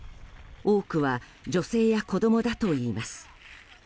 多くは女性や子供だといいます。